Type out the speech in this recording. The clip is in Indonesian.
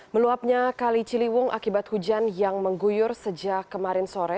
meluapnya kali ciliwung akibat hujan yang mengguyur sejak kemarin sore